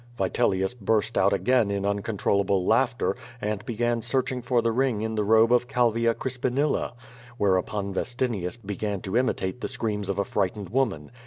Vitelius burst out again in uncontrollable laughter, and began searching for the ring in the robe of Calvia Crispinilla. Whereupon Vestinius began to imitate the screams of a frightened woman.